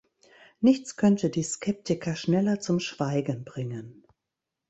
Nichts könnte die Skeptiker schneller zum Schweigen bringen.